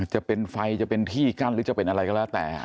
จะเป็นไฟจะเป็นที่กั้นหรือจะเป็นอะไรก็แล้วแต่